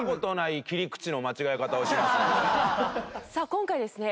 今回ですね